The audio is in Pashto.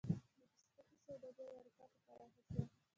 د پوستکي سوداګري اروپا ته پراخه شوه.